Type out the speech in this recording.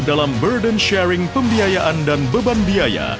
dalam burden sharing pembiayaan dan beban biaya